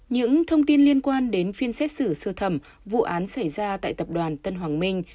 những thông tin liên quan đến phiên xét xử sơ thẩm vụ án xảy ra tại tập đoàn tân hoàng minh